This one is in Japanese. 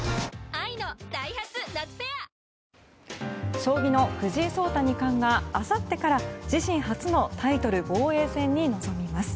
将棋の藤井聡太二冠があさってから自身初のタイトル防衛戦に臨みます。